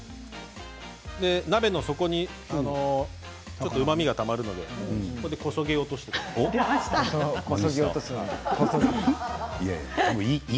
鍋の底に、ちょっとうまみがたまるのでここでこそげ落としてください。